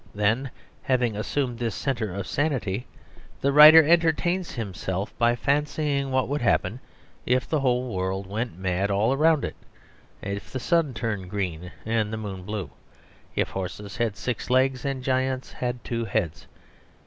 Then, having assumed this centre of sanity, the writer entertains himself by fancying what would happen if the whole world went mad all round it, if the sun turned green and the moon blue, if horses had six legs and giants had two heads.